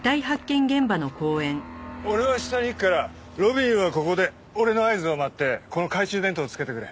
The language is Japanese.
俺は下に行くから路敏はここで俺の合図を待ってこの懐中電灯をつけてくれ。